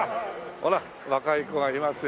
ほら若い子がいますよ。